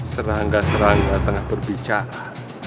serangga serangga tengah berbicara